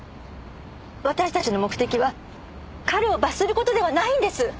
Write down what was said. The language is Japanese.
私たちの目的は彼を罰する事ではないんです。